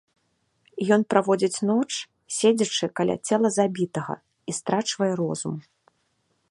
Ён праводзіць ноч, седзячы каля цела забітага, і страчвае розум.